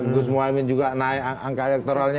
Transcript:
gus muhaymin juga naik angka elektoralnya